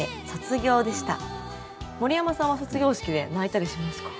森山さんは卒業式で泣いたりしますか？